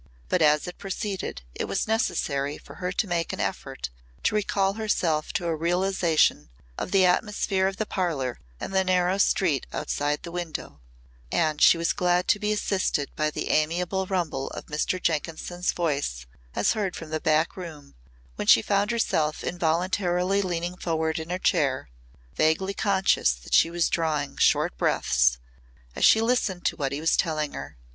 But as it proceeded it was necessary for her to make an effort to recall herself to a realisation of the atmosphere of the parlour and the narrow street outside the window and she was glad to be assisted by the amiable rumble of Mr. Jenkinson's voice as heard from the back room when she found herself involuntarily leaning forward in her chair, vaguely conscious that she was drawing short breaths, as she listened to what he was telling her.